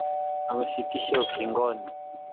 Amefikisha ukingoni